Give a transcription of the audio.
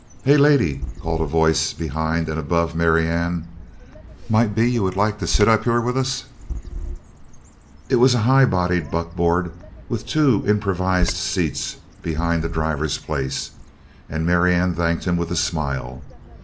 "Hey, lady," called a voice behind and above Marianne. "Might be you would like to sit up here with us?" It was a high bodied buckboard with two improvised seats behind the driver's place and Marianne thanked him with a smile.